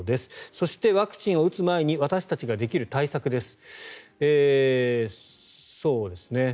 そしてワクチンを打つ前に私たちができる対策です。